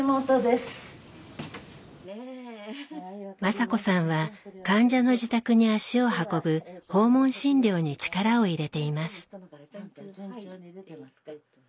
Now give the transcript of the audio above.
雅子さんは患者の自宅に足を運ぶ訪問診療に力を入れています。